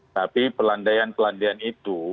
tapi pelandaian pelandaian itu